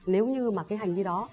nếu như mà cái hành vi đó